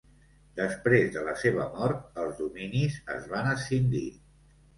Després de la seva mort els dominis es van escindir.